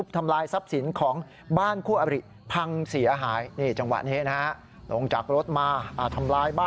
ทำลายบ้านสักหน่อยนะครับ